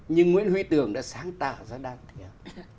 nhưng nguyễn huy tưởng đã sáng tạo ra đáng thiếu